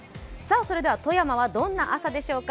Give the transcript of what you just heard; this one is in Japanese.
富山はどんな朝でしょうか。